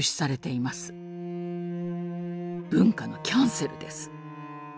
文化のキャンセルです。